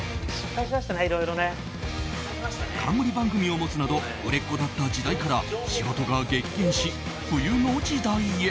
冠番組を持つなど売れっ子だった時代から仕事が激減し冬の時代へ。